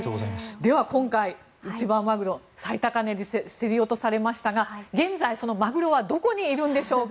では今回、一番マグロ最高値で競り落とされましたが現在、そのマグロはどこにいるんでしょうか。